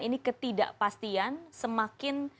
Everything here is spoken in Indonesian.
ini ketidakpastian semakin